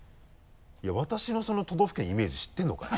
いや私の都道府県のイメージ知ってるのかい？